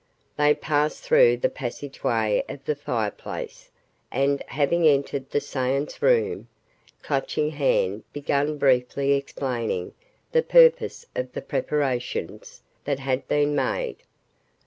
They passed through the passageway of the fireplace and, having entered the seance room, Clutching Hand began briefly explaining the purpose of the preparations that had been made.